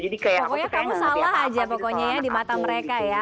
pokoknya kamu salah aja pokoknya ya di mata mereka ya